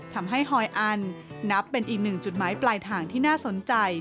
ทำให้ฮอยอันนับเป็นอีกหนึ่งจุดหมายปลายทางที่น่าสนใจ